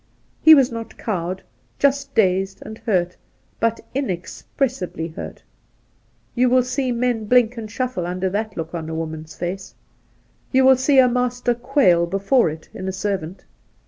He was not cowed — just dazed and hurt, but inexpressibly hurt. You wUl see men blink and shuffle under that look in a woman's face. You will see a master quail before it in a servant.